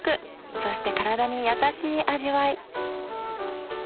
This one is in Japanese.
そして体に優しい味わい。